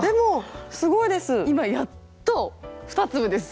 今やっと２粒です。